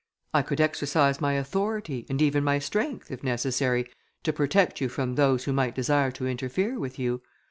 I could exercise my authority, and even my strength, if necessary, to protect you from those who might desire to interfere with you.